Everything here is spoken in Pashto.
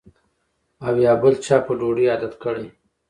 او یا بل چا په ډوډۍ عادت کړی